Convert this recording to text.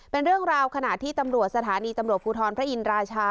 เป็นเรื่องราวขณะที่ตำรวจสถานีตำรวจภูทรพระอินราชา